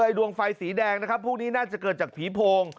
ดวงไฟสีแดงนะครับพวกนี้น่าจะเกิดจากผีโพง